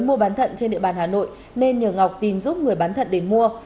mua bán thận trên địa bàn hà nội nên nhờ ngọc tìm giúp người bán thận để mua